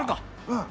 うん。